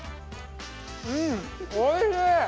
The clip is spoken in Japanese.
うんおいしい！